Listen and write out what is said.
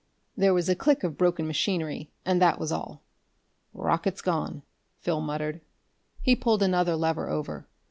There was a click of broken machinery, and that was all. "Rockets gone," Phil muttered. He pulled another lever over.